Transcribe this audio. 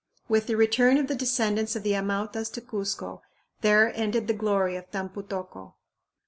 With the return of the descendants of the Amautas to Cuzco there ended the glory of Tampu tocco.